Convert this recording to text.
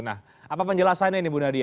nah apa penjelasannya ini bu nadia